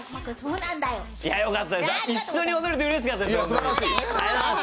一緒に踊れてうれしかったです。